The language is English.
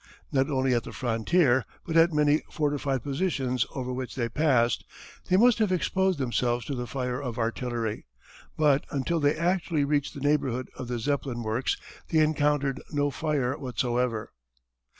Not only at the frontier, but at many fortified positions over which they passed, they must have exposed themselves to the fire of artillery, but until they actually reached the neighbourhood of the Zeppelin works they encountered no fire whatsoever.